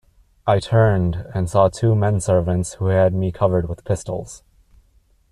I turned, and saw two men-servants who had me covered with pistols.